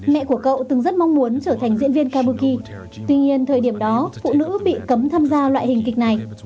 mẹ của cậu từng rất mong muốn trở thành diễn viên kabuki tuy nhiên thời điểm đó phụ nữ bị cấm tham gia loại hình kịch này